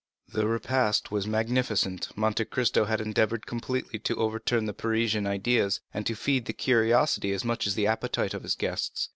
The repast was magnificent; Monte Cristo had endeavored completely to overturn the Parisian ideas, and to feed the curiosity as much as the appetite of his guests.